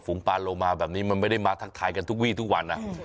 ปานโลมาแบบนี้มันไม่ได้มาทักทายกันทุกวีทุกวันนะ